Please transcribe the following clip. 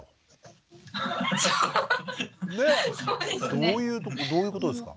どういうことですか？